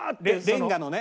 レンガのね